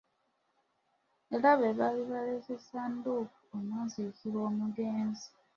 Era be baali baaleese ssanduuko omwaziikwa omugenzi.